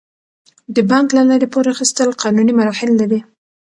د بانک له لارې پور اخیستل قانوني مراحل لري.